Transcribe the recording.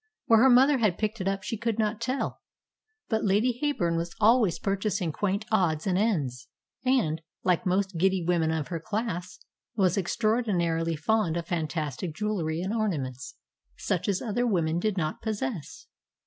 Where her mother had picked it up she could not tell. But Lady Heyburn was always purchasing quaint odds and ends, and, like most giddy women of her class, was extraordinarily fond of fantastic jewellery and ornaments such as other women did not possess.